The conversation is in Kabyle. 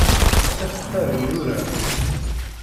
Ittafttaren yura.